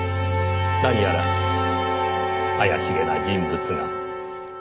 何やら怪しげな人物が。